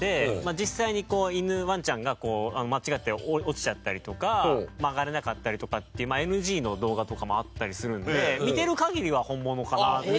実際にこう犬ワンちゃんが間違って落ちちゃったりとか曲がれなかったりとかっていうＮＧの動画とかもあったりするんで見てる限りは本物かなって。